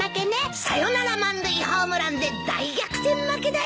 サヨナラ満塁ホームランで大逆転負けだよ。